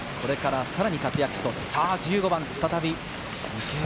これからさらに活躍しそう、さぁ１５番、再び。